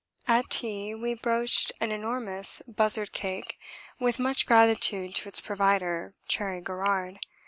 At tea we broached an enormous Buzzard cake, with much gratitude to its provider, Cherry Garrard.